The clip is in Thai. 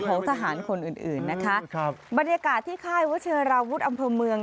ของทหารคนอื่นนะคะบรรยากาศที่ค่ายวัชเชียราวุอำเภอเมือง